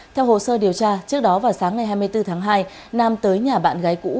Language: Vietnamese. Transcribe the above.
theo hồ sơ điều tra trước đó vào sáng ngày hai mươi bốn tháng hai nam tới nhà bạn gái cũ